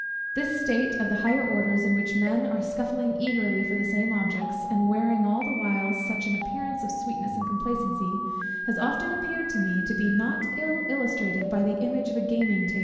This state of the higher orders, in which men are scuffling eagerly for the same objects, and wearing all the while such an appearance of sweetness and complacency, has often appeared to me to be not ill illustrated by the image of a gaming table.